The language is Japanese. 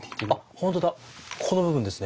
本当だこの部分ですね。